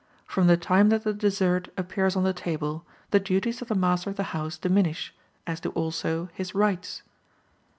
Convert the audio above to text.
From the time that the dessert appears on the table, the duties of the master of the house diminish, as do also his rights.